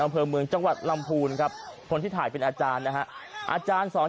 อำเภอเมืองจังหวัดลำพูนครับคนที่ถ่ายเป็นอาจารย์นะฮะอาจารย์สอน